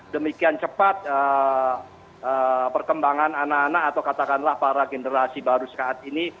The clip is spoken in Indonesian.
demikian cepat perkembangan anak anak atau katakanlah para generasi baru saat ini